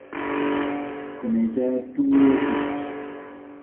Con ella tuvo dos hijos.